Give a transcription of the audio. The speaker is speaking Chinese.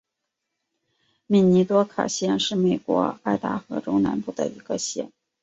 米尼多卡县是美国爱达荷州南部的一个县。